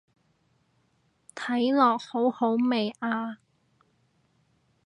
睇落好好味啊